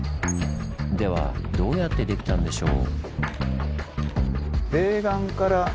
ではどうやってできたんでしょう？